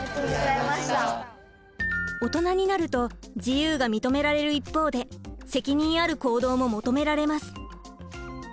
オトナになると自由が認められる一方で責任ある行動も求められます。